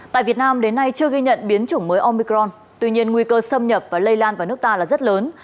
tại việt nam đến nay chưa ghi nhận biến chủng mới omicron tuy nhiên nguy cơ xâm nhập và lây lan vào nước ta là rất lớn